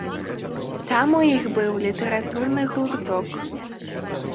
Там у іх быў літаратурны гурток.